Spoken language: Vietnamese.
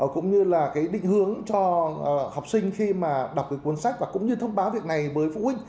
cũng như là cái định hướng cho học sinh khi mà đọc cái cuốn sách và cũng như thông báo việc này với phụ huynh